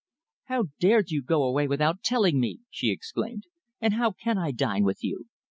"How dared you go away without telling me!" she exclaimed. "And how can I dine with you?